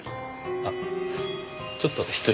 あっちょっと失礼。